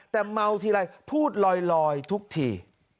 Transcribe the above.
แต่เมาทีไรพูดลอยทุกที